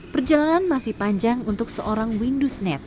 perjalanan masih panjang untuk seorang windu